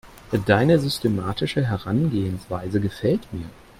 Deine systematische Herangehensweise gefällt mir.